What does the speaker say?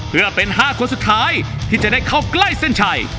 เพื่อเป็น๕คนสุดท้ายที่จะได้เข้าใกล้เส้นชัย